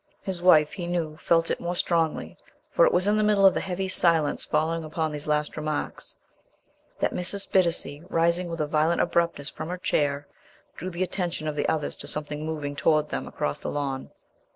His wife, he knew, felt it still more strongly. For it was in the middle of the heavy silence following upon these last remarks, that Mrs. Bittacy, rising with a violent abruptness from her chair, drew the attention of the others to something moving towards them across the lawn.